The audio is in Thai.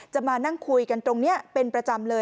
มานั่งคุยกันตรงนี้เป็นประจำเลย